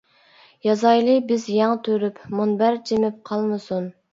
يازايلى بىز يەڭ تۈرۈپ، مۇنبەر جىمىپ قالمىسۇن.